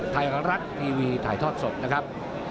ไทยรัฐทีวีถ่ายทอดสดนะครับ